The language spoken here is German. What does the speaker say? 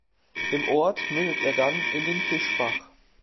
Im Ort mündet er dann in den Fischbach.